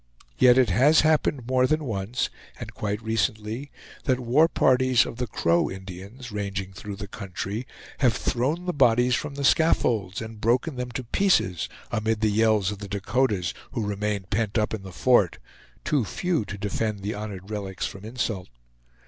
Yet it has happened more than once, and quite recently, that war parties of the Crow Indians, ranging through the country, have thrown the bodies from the scaffolds, and broken them to pieces amid the yells of the Dakotas, who remained pent up in the fort, too few to defend the honored relics from insult.